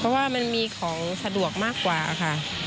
เพราะว่ามันมีของสะดวกมากกว่าค่ะ